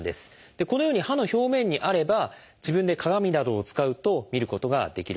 このように歯の表面にあれば自分で鏡などを使うと見ることができるんです。